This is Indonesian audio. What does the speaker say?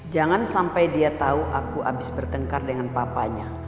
jangan sampai dia tau aku habis bertengkar dengan papanya